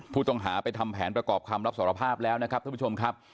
ผู้ต้องหาไปทำแผนประกอบคำรับสารภาพแล้วนะครับท่านผู้ชมครับ